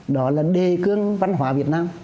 đó là đề cương văn hóa việt nam